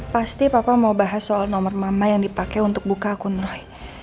pasti papa mau bahas soal nomor mama yang dipakai untuk buka akun roy